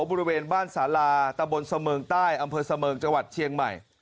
บริเวณบ้านสาลาตะบนเสมิงใต้อำเภอเสมิงจังหวัดเชียงใหม่